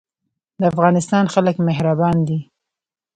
د افغانستان خلک مهربان دي